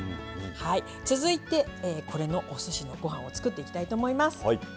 続いてこれのおすしのご飯を作っていきたいと思います。